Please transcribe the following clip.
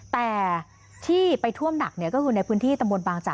แต่ที่ไปท่วมหนักก็คือในพื้นที่ตำบลบางจาก